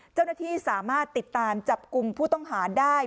เจ้าหน้าที่สามารถติดตามจับกลุ่มผู้ต้องหาได้